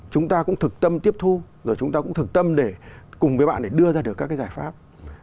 chúng ta cũng thực tâm tiếp thu rồi chúng ta cũng thực tâm để cùng với bạn để đưa ra được các cái giải pháp